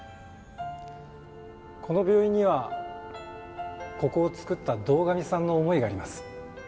この病院にはここをつくった堂上さんの思いがあります。